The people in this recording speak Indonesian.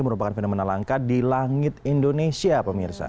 merupakan fenomena langka di langit indonesia pemirsa